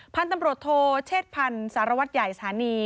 พันธุ์ตำรวจโทเชษพันธ์สารวัตรใหญ่สถานี